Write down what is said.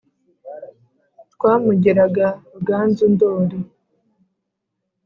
twamugeraga ruganzu ndori